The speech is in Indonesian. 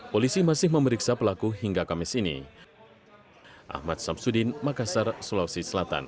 polisi masih memeriksa pelaku hingga kamis ini